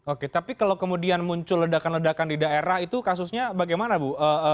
oke tapi kalau kemudian muncul ledakan ledakan di daerah itu kasusnya bagaimana bu